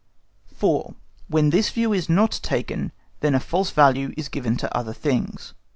4. WHEN THIS VIEW IS NOT TAKEN, THEN A FALSE VALUE IS GIVEN TO OTHER THINGS.